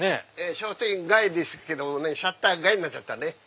商店街ですけどもねシャッター街になっちゃったね。